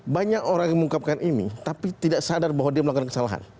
banyak orang yang mengungkapkan ini tapi tidak sadar bahwa dia melakukan kesalahan